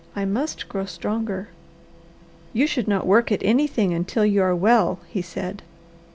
I must grow stronger." "You should not work at anything until you are well," he said.